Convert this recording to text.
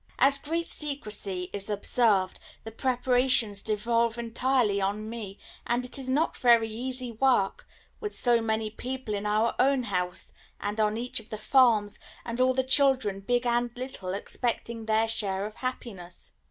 As great secrecy is observed, the preparations devolve entirely on me, and it is not very easy work, with so many people in our own house and on each of the farms, and all the children, big and little, expecting their share of happiness.